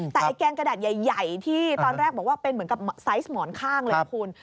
แต่ไอ้แกงกระดาษใหญ่ที่ตอนแรกบอกว่าเป็นเหมือนกับไซส์หมอนข้างเลยนะคุณ